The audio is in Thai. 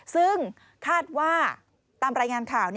ซึ่งคาดว่าตามรายงานข่าว